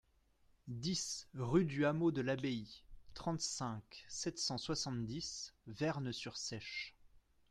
dix rue du Hameau de l'Abbaye, trente-cinq, sept cent soixante-dix, Vern-sur-Seiche